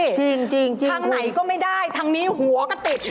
ทางไหนก็ไม่ได้ทางนี้หวก็ติด